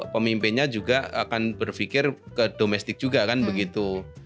pemimpinnya juga akan berpikir ke domestik juga kan begitu